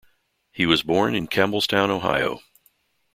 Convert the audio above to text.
He was born in Campbellstown, Ohio.